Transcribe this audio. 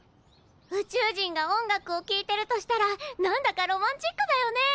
宇宙人が音楽をきいてるとしたら何だかロマンチックだよね。